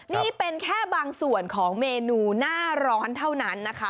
นี่เป็นแค่บางส่วนของเมนูหน้าร้อนเท่านั้นนะคะ